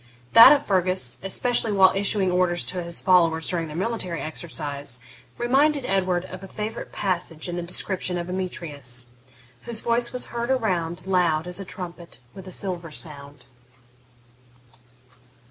That of Fergus, especially while issuing orders to his followers during their military exercise, reminded Edward of a favourite passage in the description of Emetrius: whose voice was heard around, Loud as a trumpet with a silver sound.